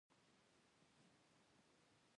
یو ملګری ونې ته وختلو او بل په ځمکه پریوت.